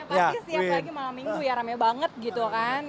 iya pasti sih apalagi malam minggu ya rame banget gitu kan